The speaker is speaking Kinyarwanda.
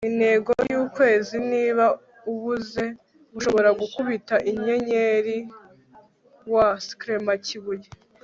intego y'ukwezi. niba ubuze, ushobora gukubita inyenyeri. - w. clement kibuye